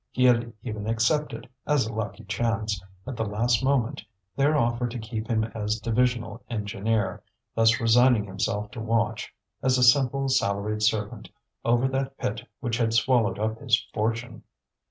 He had even accepted, as a lucky chance, at the last moment, their offer to keep him as divisional engineer, thus resigning himself to watch, as a simple salaried servant, over that pit which had swallowed up his fortune.